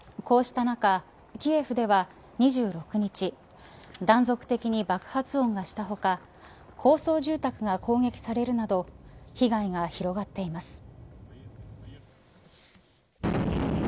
こうした中、キエフでは２６日断続的に爆発音がした他高層住宅が攻撃されるなど被害が広がっています。